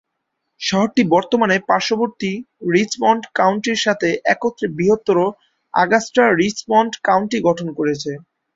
শহরটি বর্তমানে পার্শ্ববর্তী রিচমন্ড কাউন্টির সাথে একত্রে বৃহত্তর অগাস্টা-রিচমন্ড কাউন্টি গঠন করেছে।